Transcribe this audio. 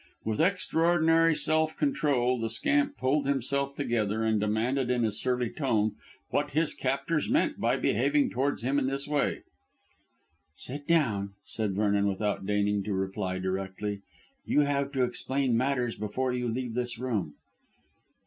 With extraordinary self control the scamp pulled himself together and demanded in a surly tone what his captors meant by behaving towards him in this way. "Sit down," said Vernon without deigning to reply directly; "you have to explain matters before you leave this room."